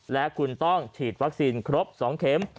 และคุณต้องฉีดวัคซีนครบ๒เข็ม